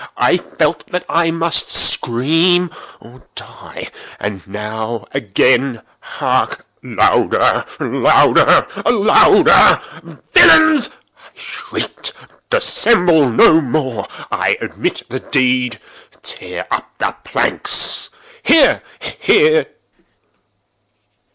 I felt that I must scream or die! and now—again!—hark! louder! louder! louder! louder! "Villains!" I shrieked, "dissemble no more! I admit the deed!—tear up the planks!—here, here!